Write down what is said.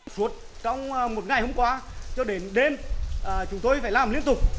suốt trong một ngày hôm qua cho đến đêm chúng tôi phải làm liên tục